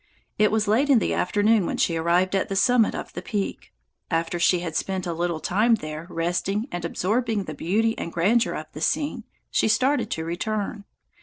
It was late in the afternoon when she arrived at the summit of the peak. After she had spent a little time there resting and absorbing the beauty and grandeur of the scene, she started to return.